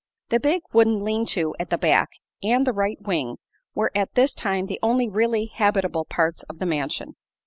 The big wooden lean to at the back, and the right wing, were at this time the only really habitable parts of the mansion.